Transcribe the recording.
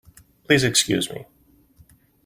Please excuse me.